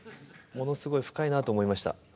ものすごい深いなと思いました。